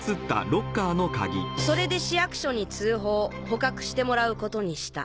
それで市役所に通報捕獲してもらうことにした。